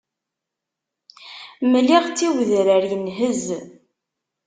Mliɣ-tt i udrar inhez.